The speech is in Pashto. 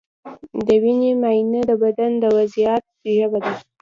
د وینې معاینه د بدن د وضعیت ژبه ده.